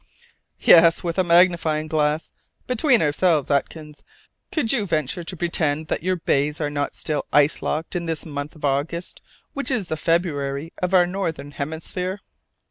"Yes, with a magnifying glass! Between ourselves, Atkins, could you venture to pretend that your bays are not still ice locked in this month of August, which is the February of our northern hemisphere?"